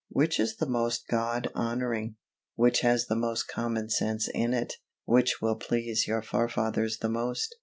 Which is the most God honoring? Which has the most common sense in it? Which will please your forefathers the most?